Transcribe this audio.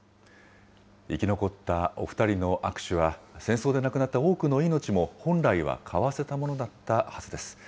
生き残ったお２人の握手は、戦争で亡くなった多くの命も本来はかわせたものだったはずです。